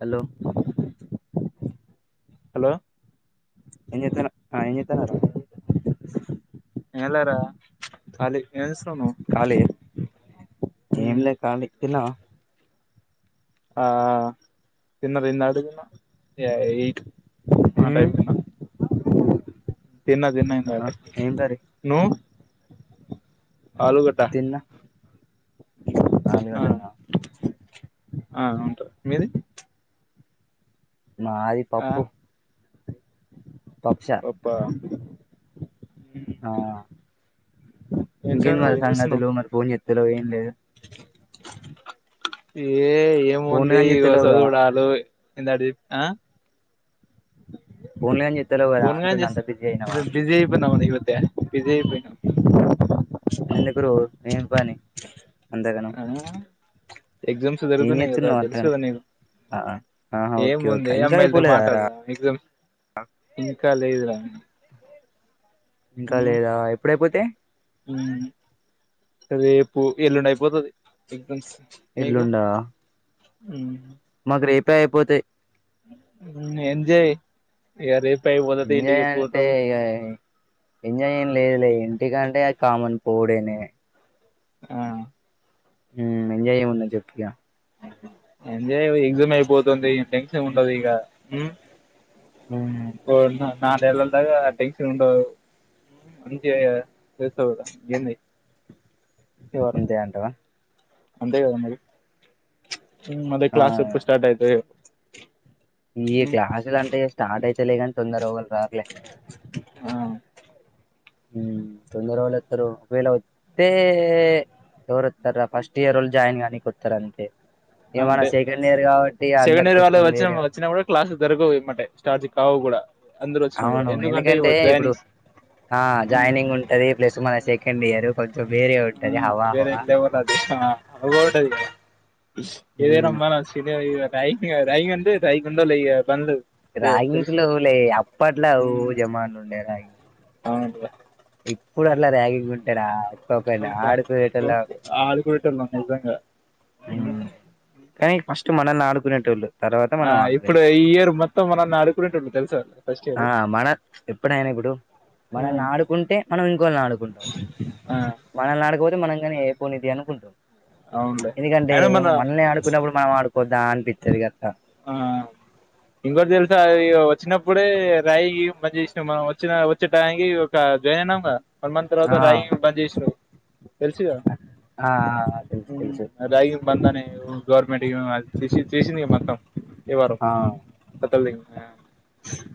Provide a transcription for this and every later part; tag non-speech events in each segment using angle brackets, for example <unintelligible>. Hello hello ఎంచేత్తనవ్ ఆ ఎంచేత్తనవ్ రా ఎంలే రా కాలి ఎంచెస్ కాళీ నువ్వు ఏంలే కాళీ తిన్నవా ఆ తిన్న ఇన్నా అడుగునా ఎ ఎట్ ఆ మ్మ్. టైంకి తిన్నను తిన్న దిన్న ఆ ఇందకా ఏం కర్రీ నో ఆలుగడ్డ తిన్నా ఆ ఆలుగడ్డనా ఆ ఉహు ఉంటారు మీది మాది పప్పు పప్పుచారు పప్ప ఆ ఏం ఇంకేంద సంగతి మరి ఏం చేస్తున్నావ్ సంగనలు మరి ఫోన్ చేత్త లేవ్ ఏం లేదు ఏ ఫోన్లు ఏముంది గాని ఇక చేత్తలేవు కదా చదువుడాలు ఎద్ అడి ఆ పోన్లే అని పోన్గా జస్త బిజీ అయిపోయినవు ఇ మధ్య బిజీ అయిపోయిన ఏంది బ్రో ఏం పనీ అ ఎగ్జామ్స్ ఏం జరుగుతున్నాయి కదా చేస్తున్నావు తెలుసు అంతగనం కదా నీకు ఆ ఆహా ఏం ఓకే ఓకే ఉంది ఇంకా అమ్మాయిలతో అయిపోలేదారా మాట్లాడితే మాట్డద ఇంకా లేదు రా ఇంకా లేదా ఎప్పుడైపోతే ఉమ్ రేపు ఎల్లుండి అయిపోతది మీకు ఎల్లుండా మాకు రేపే అయిపోతాయి ఎంజయ్ ఇగ రేప్ ఎంజయ్ అంటే ఇగ ఎంజయ్ లేదు లేదు ఇంటికంటే కామన్ పోవుడే ఆ ఉం ఎంజాయ్ చేమన్న చెప్పు ఇగ ఎంజ ఎగ్జామ్ <unintelligible> అయిపోతుంది టెన్షన్ ఉంటది ఇక హ్మ్ ఓ నా నాలుగు నెలలు దాకా టెన్షన్ ఉండదు అంచి <unintelligible> అ తెసద ఎన్న అంతే అంటవా అంతే కదా మరి ఉం మళ్ళీ ఆ క్లాస్ ఎప్పుడు స్టార్ట్ అయిద్దో ఏమో ఈ క్లాసులు అంటే స్టార్ట్ అయితలే కాని తొందర ఎవరు రారూ రాలే ఆ ఉం తొందర ఎవరు వత్తరు ఒకవేళ తే ఎవరుత్తర ఫస్ట్ ఇయర్ వోల్ జాయిన్ గానికి వత్తరు అంతే ఇగ మన అంతే సెకండ్ ఇయర్ గా సెకండ్ ఇయర్ వాళ్ళు వచ్చిన వచ్చినా కూడా క్లాసు జరగవు ఎమటే స్టార్టి కావు కూడా అందరు వచ్చినా కూడా అవును ఇ ఎందుకంటే ఇప్పుడు జాయినింగ్స్ ఆ జాయినింగ్ ఉంటది ప్లస్ మన సెకండ్ ఇయర్ కొంచ ఆ వేరవల్ అదిది <unintelligible> ఇదే హ్మ్ రమాాల <unintelligible> రై రైంగంట రైంట పందదు రాగింగ్స్ లేవు లే అప్పట్లో ఓ జమాన్లు ఉండే రాగింగ్ అవును పూడ అలార <unintelligible> ంటడా <unintelligible> ఒక్క ఆడకుటల అ <inaudible> మనల్ని ఆడుకునేటోళ్లు ఆ ఇప్పుడు ఈ ఇయర్ మొత్తం మనని అడుకునేట్టుడు తెలుస ఆ మన ఎప్పుడైనా ఇప్పుడు మనల్ని ఆడుకుంటే మనం ఇంకోని ఆడుకుంటాం ఆ మనల్ని ఆడుకోపోతే మనం కాని ఏయిపోనిది అనుకుంటాం అవునులే ఎందుకంటే అయినా ఏమో మన మనల్ని ఆడుకున్నప్పుడు మనం ఆడుకోద్దా అనిపిత్తది కదా ఆ ఇంగోటి తెలుసా వచ్చినప్పుడే <unintelligible> రాయికి మంచిగా చేసినాం మనం వచ్చిన వచ్చేటానికి ఒక జాయిన్ అయినాం వన్ మంత్ తర్వాత ఆ రాగింగ్ బంద్ చేసినం తెల్సిగా ఆ ఆ, తెలుసు తెలుసు అదగిం బందా <unintelligible> గవర్నమెంట్దిసి చేసింది మొత్తం ఇ వారం ఆ పం <unintelligible>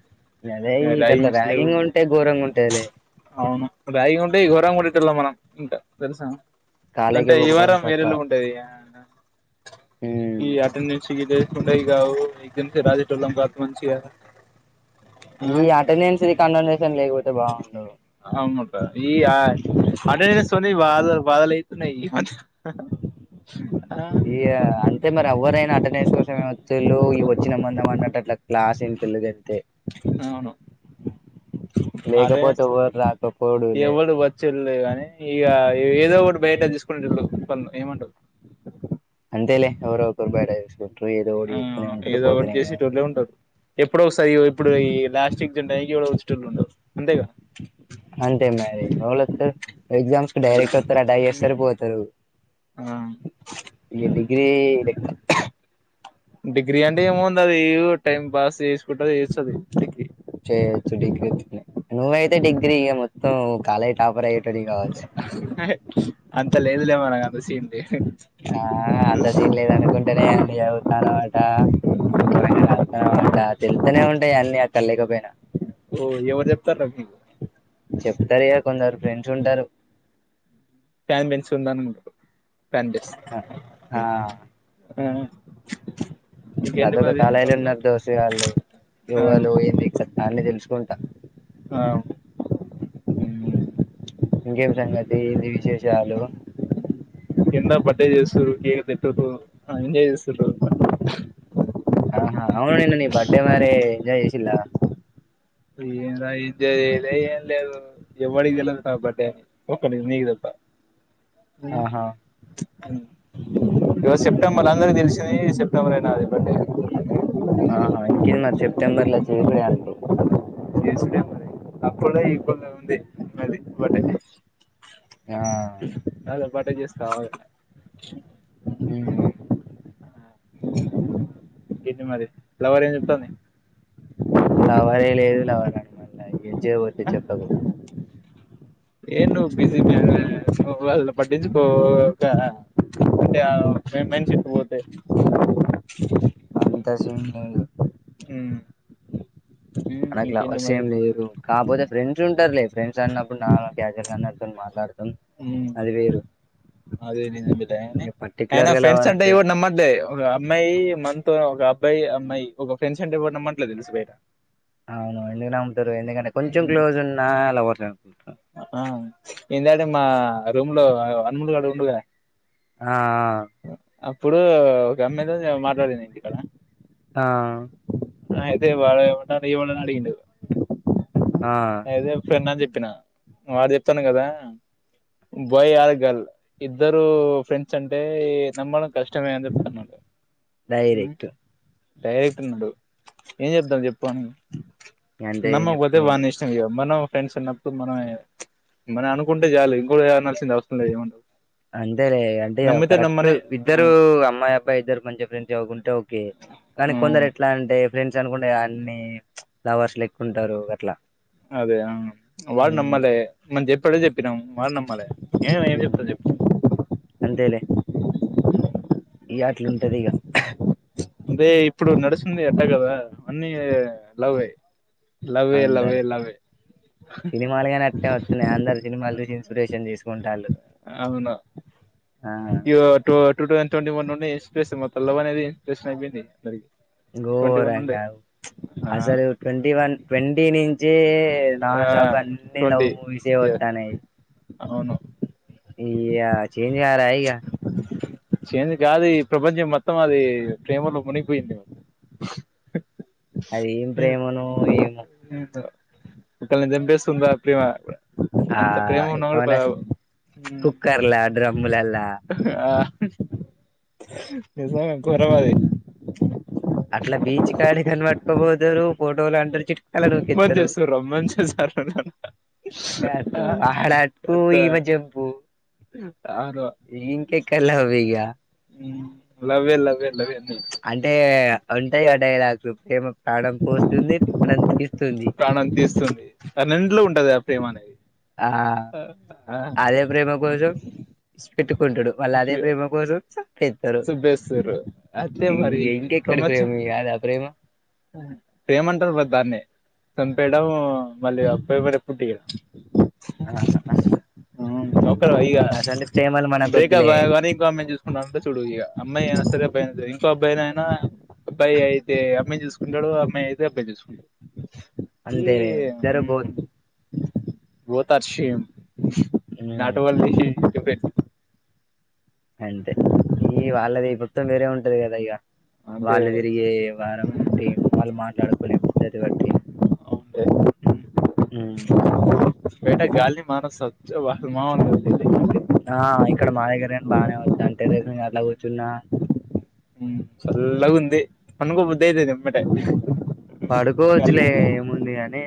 అదే ఇగ ఈ గట్ల రాగింగ్స్ లేవు ర్యాగింగ్ ఉంటే ఘోరంగా ఉంటదిలే అవును రాగింగ్ ఉంటే ఘోరం గా ఉండేటోళ్లం మనం ఇంకా తెలుసా అంటే కాలేజీకి ఈ పోకపోవడం వారం సక్కగా వేరెలో ఉంటేది ఇగ ఈ మ్మ్ అటెండెన్స్గి <unintelligible> తేంట ఇకాద రాజీట్ళం మంచిగా ఈ ఆ అటెండెన్స్ది కండోనేషన్ లేకపోతే బాగుండు <unintelligible> ఈ ఆ అంట సోని బాద బాల్ యితు న ఈ మ ఇ అంటే మరి ఎవరైనా అట్ట నేసుకోసంే తెళ్లుు వ <unintelligible> చ్చిన మనం అన్నట్టు అట్లా క్లాస్ ఇంట లేదు అంతే అవును లేకపోతే అటెండెన్స్ ఎవరు రారు ఎవడు వచ్చేళ్ళు గానీ ఇగ ఏదో ఒకటి బయట తీసుకునేటోళ్ళు కొ ఏమంటవ్ అందేలేే ఒక బడ ఏదో ఓడి ఆ <unintelligible> ఏదో ఒకటి చేసే టోళ్లే ఉంటారు ఎప్పుడో ఒకసారి ఇగో ఇప్పుడు ఈ లాస్ట్ అనే టైం కి వచ్చేటళ్ళు ఉండరూ అంతేగా అంతే మరి ఎవలొత్తారు ఎగ్జామ్స్ కి డైరెక్ట్ వత్తరు అటక్ చేస్తారు పోతారు ఆ ఇగ డిగ్రీ లేక్క డిగ్రీ అంటే ఏముంది అది ఇగ టైం పాస్ చేసుకుంట చేస్తది డిగ్రీ చేయచ్చు డిగ్రీ నువ్ అయితే డిగ్రీ మొత్త కాలేజ్ టాపర్ అయి రి కావచ్చు అంత లేదులే మనాకు అంత సీన్ ఆ అంత సీన్ లేదనీ అనుకుంటేనే అన్నీ చదువుతానవు అట ఘోరంగా రాత్తనవు అట తెలుత్తనే ఉంటాయి అన్ని అక్కడా లేకపోయినా ఓ ఎవరు చెప్తారా మీకు చెప్తారు ఇగ కొందరు ఫ్రెండ్స్ ఉంటారు ఫ్యాన్ బెన్స్ ఉంద ఉండ ఫ్యాన్ బన్స్ ఆ ఆ ఇంకేంటి ప్రతోక మరి కాలేజి ల ఉన్నా దోస్తు గాళ్ళు ఆ ఎవలు ఏంది కథ అన్ని తెలుసుకుంటా ఆ హ్ ఇంకేం సంగతి ఏంది విశేషాలు కింద బర్త్డే చేస్తూరు కేక్ తింటూరు ఎంజాయ్ చేస్తూ న్నరు లా ఎంద ఇది ఏం లేదు ఎవడికి కాబడ్డే అ ఒక్కడికి నీగు దప్పా ఆహా ఇగో సెప్టెంబర్ అందరికి తెలిసింది సెప్టెంబర్ నాది బర్త్డే ఆహా ఇంకేంది మరి సెప్టెంబర్ ల చేసుడే అంటవు చేసుడే మరి అప్పుడే ఇప్పుడే ఉంది ఉన్నది బర్త్డే ఆ ఆవు హ్ ఏంది మరి లవర్ ఏం చెప్తాంది లావరే లవర అని మళ్ళ జవోతే ఆ చెప్పకు ఏం నువ్వు బిజీ మ్యాన్ నువ్వు వాళ్ళు పట్టించుకోక ఆ మంచికును పోతే అంత సీన్ లేదు ఉమ్ ఉమ్ మనకు ఇంకేంటి లావర్స్ మరి ఏం లేరూ కాకపోతే ఫ్రెండ్స్ ఉంటారు. లే ఫ్రెండ్స్ అన్నప్పుడు నార్మల్గ క్యాజువల్ గా అందరితోనూ మాట్లాడుతవు ఉమ్ అది వేరు అదే నిన్న మీటయిన ఇంక అయిన పర్టికులర్ గా ఫ్రెండ్స్ లవర్ అంటె అంటే ఏవడు నమ్మట్లే అమ్మాయి అంత ఒక అబ్బాయి అమ్మాయి ఒక ఫ్రెండ్స్ అంటే ఎవ్వడు నామ్మట్లే తెలుస బయట అవును ఎందుకు నామ్ముతరు ఎందుకంటే కొంచెం ఉమ్. క్లోజ్ ఉన్నా అలా ఆ ఏంద అంటే మా రూమ్ లో అమ్ములు గాడు ఉండుగా ఆ అప్పుడు ఒక అమ్మీద మాట్లాడింది ఇంటి క్కడ ఆ ఆ ఐతే వాడు ఎవడట అనీ వాడు అడిగిండు ఆ అదే ఫ్రెండ్ అని చెప్పిన వడు చెప్తండు కదా బాయ్ ఆర్ గర్ల్ ఇద్దరు ఫ్రెండ్స్ అంటే నమ్మడం కష్టమే అని చెప్తున్నాడు డైరెక్ట్ డైరెక్టర్న్నాడు ఏం చెప్తాం చెప్పు అని అంటే ఏం చెప్తే ఇగ మనం ఫ్రెండ్స్ ఉన్నప్పుడు మనం మనం అనుకుంటే చాలు ఇంకోరు అనాల్సింది అవసరం లేదు ఏమన అంతేలే అంటే కరెక్ట్ ఆ ఇద్దరూ అమ్మాయి అబ్బాయి ఇద్దరు మంచి ఫ్రెండ్స్ అవకుంటే ఓకే కానీ ఆ కొందరు ఎట్లా అంటే ఫ్రెండ్స్ అనుకుంటే అన్ని లవర్స్ లెక్కుంటారు అట్లా అదే ఆ వాడు ఉమ్ నమ్మలే మనం చెప్పేదే చెప్పినాం వాడు నమ్మలే నేను ఏం చెప్తా ఉమ్ చెప్పు ఈ అట్లు ఉంటది ఇక అదే ఇప్పుడు నడుస్తుంది ఎట్టా కదా అన్నీ లవ్వే లవే అందరు లవ్వే లవే సినిమాలు గాని అట్టనే వత్తన్నాయి అందరు సినిమాలు చూసి ఇన్స్పిరేషన్ తీసుకుంటాళు అవును ఇ two two thousand twenty one నుండి ఇన్స్పిరేషన్ మొత్తం లవ్ అనేది ఇన్స్రేన్ అయిపోయింది మరి గోరంగా ఆ అసలు ట్వంటీ వన్ ట్వంటీ నుంచే నా ఆ షాప్ అన్ని లవ్ ట్వంటీ మూవీస్ వత్ ఇయర్ త్తనయ్ అవును ఇయ చేంజ్ కారా ఇగా చేంజ్ కాదు ఈ ప్రపంచం మొత్తం అది ప్రేమలో మునిగిపోయింది ఏమో అది ఏం ప్రేమనో ఏమో ఒకళ్ళని చంపేస్తుందా ప్రేమా ఆ అంత ప్రేమ ఉన్నవాడు ప ఎక్కువనే కుక్కర్లా డ్రమ్ములల్లా ఆ నిజం గా ఘోరం అది అట్లా బీచ్ కాడ కనమట్కోబోదరు ఫోటోలు అంటరు చి రొమాన్స్ చేస్తారు రొమాన్స్ చేస్తారు వాళ్ళంతా రాత్ కో మహారాత్ కో ఈమె జంప్ అవును ఇంకెక్కడి లవ్ అయ్య లవ్వే లవ్వే లవ్వే నీ అంటే ఉంటాయి ఆ డైలాగ్స్ ప్రేమ ప్రాణం పోస్తుంది ప్రాణం తీ ప్రాణం తీస్తుంది అ రెంట్లో ఉంటది ఆ ప్రేమ అనేది ఆ ఆ ఆదే ప్రేమ కోసం కుంటుడు మళ్ళ అదే ప్రేమ కోసం చస్తారు సుబ్బేస్తారు అయితే మరి ఇంకేక్కడి ప్రేమయ్య ఆ ప్రేమ ప్రేమ అంటారు బద దాన్ని చంపేయడం మళ్ళీ అబ్బాయ పడే పుట్టి అలా అంటారా నౌకరు అయ్యా బ్రేకప్ అ కానీ ఇంకా అమ్ము చూసుకుంటా అంటే చూడు ఇక అమ్మాయినా సరే అబ్బాయి అయినా ఇంకో అబ్బాయి అయినా అబ్బాయి అయితే అమ్మాయి చూసుకుంటాడు అమ్మాయి అయితే అబ్బాయి చూసుకుంటాడు ఈ అంతేలే ఇద్దరు బో both are same um, not only he depend అంతే ఈ వాళ్ళది మొత్తం వేరే ఉంటది కదా ఇక అంతే వాళ్ళు తిరిగే వారం బట్టి వాళ్ళు మాట్లాడుకునే పద్ధతి బట్టి ఏ హ్మ్ ఏట గాలి మన సొత్త వాళ్ళు మామూలోళ్ళు ఆ ఇక్కడ మా దగ్గరని బాగానే వచ్చా అంటే టెరెస్ ఎట్లా కూర్చున్నా చల్లగు ఉంది పనుకోబుద్దాయితది ఎంబటే పడుకోవచ్చులే ఏముంది కాని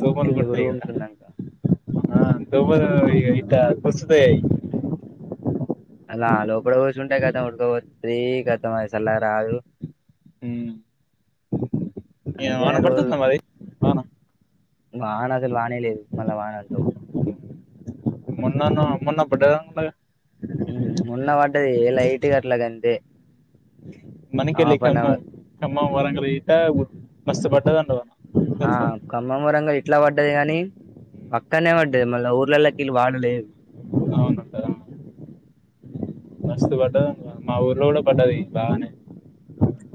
దోమలు ఎంత గురువుం సన్నాక ర ఇత కుస్తుతయి అలా లోడ కూర్చుంటాయి గతం ఉడకపోతుది గతం అ సల రాదు అ వాన అందుకనే రోజు పడుతుందా మరి వాన వాన అసలు వానేలేదు మళ్ళీ వాన అంటావు మొన్నన్నా ను మొన్న బడ్డ కదా మొన్న బడ్డాయ్ ఎలాయిట్ గట్లా అంతే మణికెల్లి కమ్మం వరంగల్ ఇట మస్తుపడ్డదంట కదా ఆ ఖమ్మం వరంగల్ ఇట్లా పడ్డది గాని పక్కనే పడ్డది మళ్ళా ఊర్లలోకిీళ్ళు వాడలేదు అవున మస్తు పడ్డది మా ఊర్లో కూడా పడ్డది బాగానే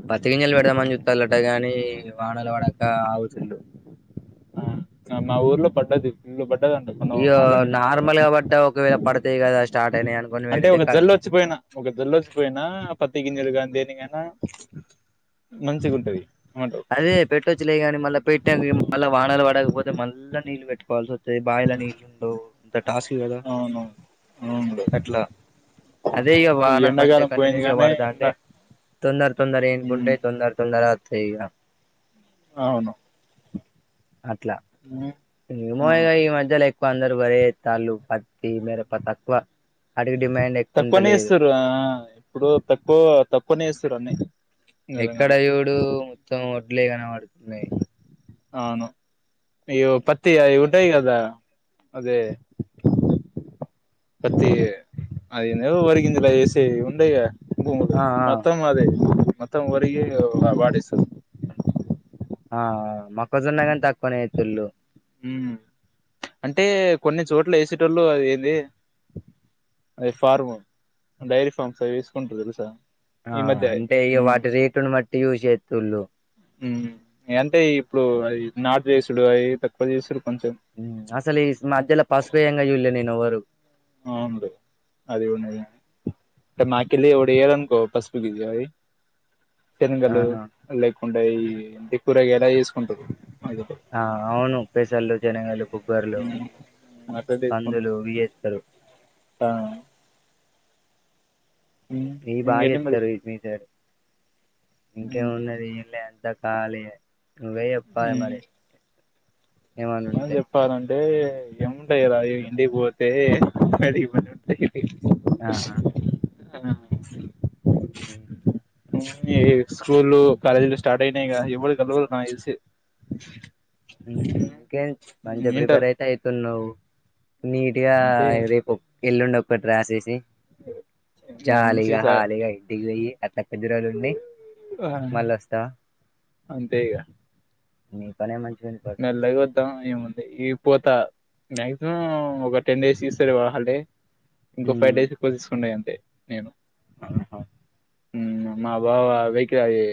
పత్తి గింజాలు పెడదామని చుస్తాలట గాని వానలు పడక ఆవుచుల్ళు ఆ, మా ఊర్లో పట్టది ఫుల్లు పట అయ్యో నార్మల్ కాబట్టి ఒకవేళ పడతాయి కదా స్టార్ట్ అయినాయి అనుకొని అంటే పెడితే ఒక జల్లు కతం వచ్చిపోయినా ఒక జల్లుచ్చిపోయినా పత్తి గింజీలుగాని దేనిగైనా మంచిగుంటది అదే పెట్టచ్చులే కానీ మళ్ళీ పెట్ట మళ్ళీ వానాలు పడకపోతే మళ్ళీ నీళ్ళ పెట కావాల్సి వస్తా బాయిలనీళ్ళుండవు పెద్ద టాస్కలు కదా అవును అవును అట్లా అదే ఇక ఈ వాన మంచిగా ఎండాకాలం పోయింది కంటిన్యూస్ గా కానీ ఎండ పడతాంటే తొందర తొందర ఏన్కుంటె ఉమ్, తొందర తొందర అతాయి ఇగ అవును అట్లా ఉమ్, అవును ఏమోయగా ఈ మధ్యలో తొందర పడి ఎతన్లు పత్తి మిరప తక్కువ వాటికి డిమాండ్ ఎక్కువ తక్కువనే ఉంటలేదు ఎస్తున్రు అ ఇప్పుడు తక్కువ తక్కువనే ఎస్తూన్రు అని ఎక్కడా చూడు మొత్తం వడ్లే కనబడు అవును అయ్యో పత్తి అయి ఉంటాయి గదా అదే పత్తి అదేంది ఒరిగిందిలే ఇస్ తె ఉండైగా భూములు ఆ ఆ మొత్తం అవె మొత్తం వరియె వా వాడెస్తారు ఆ మొక్కజోన్న కానీ తక్కువనే ఎత్తున్లు ఉ అంటే కొన్ని చోట్ల ఎసేటోళ్ళు అవి ఏంది <inaudible> అద్ ఫార్మ్ డైరీ ఫార్మ్స్ అవి వేసుకుంట్రూ తెలుసా ఆ ఈ మధ్య అంటే ఇగ ఉమ్ వాటి రేటును మట్టి యూజ్ చేతున్లు మ్ అంటే ఇప్పుడు నాటు వెసుడు అవి తక్కువ చేసుడు కొంచెం మ్ అసలు ఈ మధ్యలో పసుపుయంగా చూళ్లే నేనెవరు వులే అది కూడ నిజమే మాకలీ డి ఏ రన్కో పసు గజ <unintelligible> శనిగలు ఆహా లేకుండె ఈ ఇంటి కూరగాయ అయి ఎసుకుంటరు ఆ అవును పేసళ్లు చనిగాలు బొబ్బర్లు, అట్లా కందులు చేసుకుంటారు వియేస్తరు ఆ ఉమ్, మీకు బాగా ఇంకేంటి మరి ఏత్తరు మీ సైడ్ ఇంకేమున్నది ఏం లే కాలీయే నువ్వే చెప్పాలి మరి? ఏమన్నా ఉంటే ఏ ఎముంటైయ్రా ఇంటికి పోతే అది <inaudible> ఆహా ఉ ఉమ్ ఈ స్కూలు, కాలేజ్లు స్టార్ట్ అయినయ్ గా <unintelligible> నాకు తెలిసి <inaudible> ఉమ్ ఇకేం మంచిగా ఉమ్, ఇంటర్ ప్రిపేర్ అయితే ఐతున్నావ్? నీట్ గా అంతే రేపు ఒక్ ఎల్లుండి ఒక్కట్ రాసేసి మంచి జాలీగా, స హాయీగా ఇంటికి పొయ్యి కథక్ పెద్దిరాలుండి ఆ, మళ్ళీ వస్తవా? అంతే ఇగ నీపనే మంచి మెల్లగా వద్దాం ఏముంది ఈ పోతా మాక్సిమం ఒక టెన్ డేస్ ఇస్తార్ హాల్డే ఇంకో ఫైవ్ హ్మ్ డేస్ ఎక్కువ తీసుకుంటా అంతే నేను ఆహా ఉమ్ మా బావా వెయ్యికే అయి